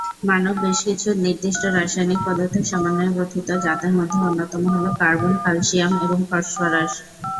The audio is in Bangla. মানব বেশ কিছু নির্দিষ্ট রাসায়নিক পদার্থের সমন্বয়ে গঠিত যাদের মধ্যে অন্যতম হলো কার্বন, ক্যালসিয়াম এবং ফসফরাস।